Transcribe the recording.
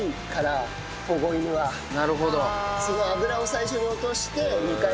なるほど。